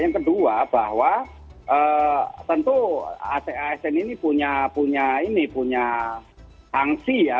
yang kedua bahwa tentu asn ini punya ini punya sanksi ya